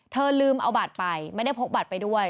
เธอลืมเอาบัตรไปไม่ได้พกบัตรไปด้วย